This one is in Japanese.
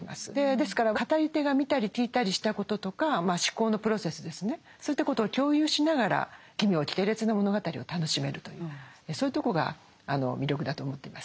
でですから語り手が見たり聞いたりしたこととかまあ思考のプロセスですねそういったことを共有しながら奇妙奇天烈な物語を楽しめるというそういうとこが魅力だと思っています。